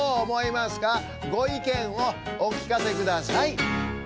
ごいけんをおきかせください。